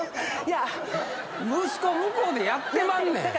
息子向こうでやってまんねん。